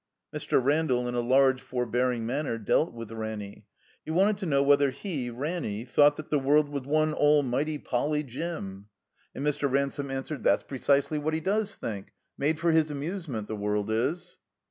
Mr. Randall, in a large, forbearing manner, dealt with Ranny. He wanted to know whether he, Ranny, thought that the world was one almighty Poly. Gym.? And Mr. Ransome answered: "That's precisely what he does think. Made for his amusement, the world is."